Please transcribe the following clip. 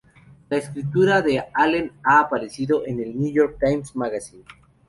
La escritura de Allen ha aparecido en el New York Times Magazine.